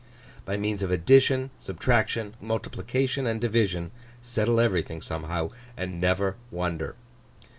By means of addition, subtraction, multiplication, and division, settle everything somehow, and never wonder.